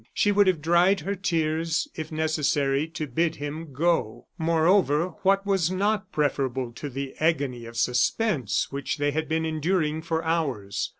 She would have dried her tears, if necessary, to bid him "go." Moreover, what was not preferable to the agony of suspense which they had been enduring for hours?